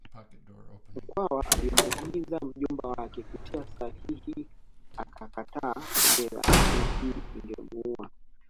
Mkwawa alimwagiza mjomba wake kutia sahihi akakataa mwenyewe akisema hii ingemuua